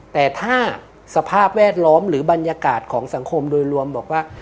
แต่ถ้าสภาพแวดล้อมหรือบรรยากาศของสังคมโดยรวมบอกว่า